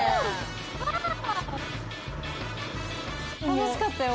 楽しかったよ